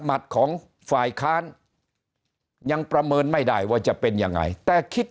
ของฝ่ายค้านยังประเมินไม่ได้ว่าจะเป็นยังไงแต่คิด